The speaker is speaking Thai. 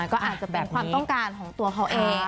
ก็อาจจะเป็นความต้องการของตัวเขาเอง